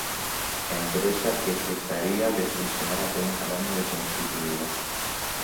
Empresa que cesaría de funcionar apenas al año de constituida.